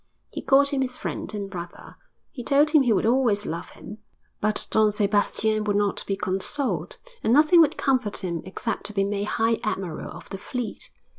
He called him his friend and brother; he told him he would always love him, but Don Sebastian would not be consoled. And nothing would comfort him except to be made High Admiral of the Fleet.